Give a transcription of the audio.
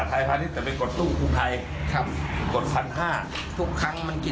แต่มันมีปลายอยู่อ้าวมันปลายอะไรก็ทั้งแต่ว่ามันกดไม่ได้